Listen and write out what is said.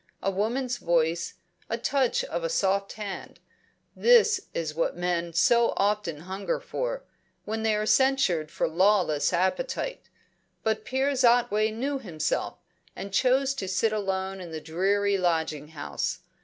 A woman's voice, the touch of a soft hand this is what men so often hunger for, when they are censured for lawless appetite. But Piers Otway knew himself, and chose to sit alone in the dreary lodging house.